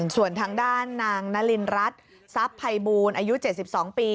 ส่วนทางด้านนางนารินรัฐทรัพย์ภัยบูลอายุ๗๒ปี